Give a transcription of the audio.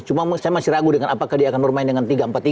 cuma saya masih ragu dengan apakah dia akan bermain dengan tiga empat tiga